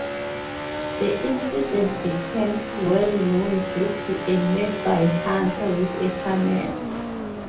The incident becomes well known due to a nearby hunter with a camera.